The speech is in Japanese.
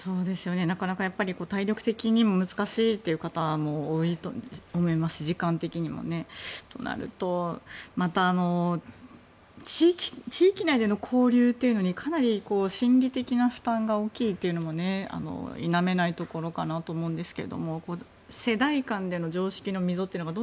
なかなか体力的にも難しいという方も多いと思いますし時間的にもね。となるとまた、地域内での交流というのにかなり心理的な負担が大きいというのも否めないところかなと思うんですけど世代間での常識の溝が